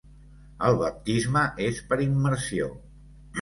El baptisme és per immersió.